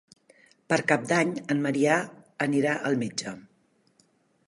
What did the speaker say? Per Cap d'Any en Maria anirà al metge.